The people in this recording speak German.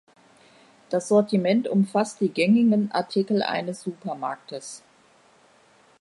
Das Sortiment umfasst die gängigen Artikel eines Supermarktes.